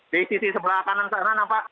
di sisi sebelah kanan sebenarnya apa